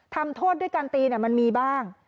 ทำโทษด้วยการตีมันมีบ้าง